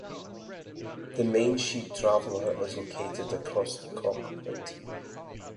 The mainsheet traveller is located across the cockpit.